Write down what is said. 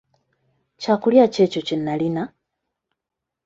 Kyakulya ki ekyo kye nalina?